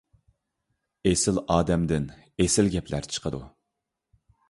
ئېسىل ئادەمدىن ئېسىل گەپلەر چىقىدۇ.